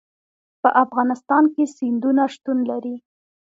په افغانستان کې سیندونه شتون لري.